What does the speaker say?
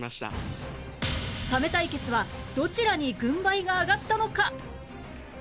サメ対決はどちらに軍配が上がったのか？